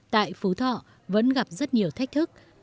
tại phú thọ vẫn gặp rất nhiều thách thức